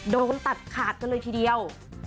โดนตัดขาดกันเลยทีเดียว